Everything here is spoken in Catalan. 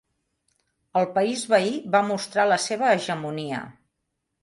El país veí va mostrar la seva hegemonia.